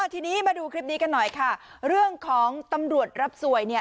ทีนี้มาดูคลิปนี้กันหน่อยค่ะเรื่องของตำรวจรับสวยเนี่ย